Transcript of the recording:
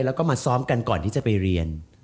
แล้วก็มาซ้อมกันก่อนที่จะไปเรียน